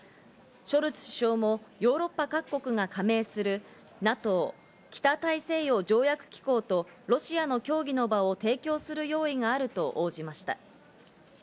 ショルツ首相もヨーロッパ各国が加盟する、ＮＡＴＯ＝北大西洋条約機構とロシアの協議の場を提供する用意があると応じました。